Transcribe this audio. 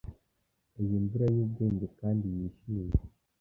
Iyi mvura yubwenge kandi yishimye